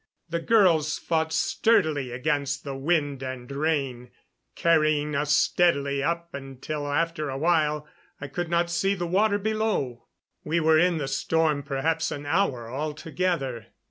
The girls fought sturdily against the wind and rain, carrying us steadily up until after a while I could not see the water below. We were in the storm perhaps an hour altogether.